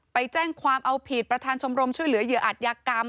ไปแจ้งความเอาผิดประธานชมรมช่วยเหลือเหยื่ออัตยากรรม